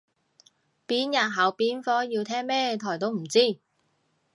邊日考邊科要聽咩台都唔知